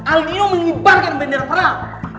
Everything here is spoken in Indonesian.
aldino menyebarkan bendera perang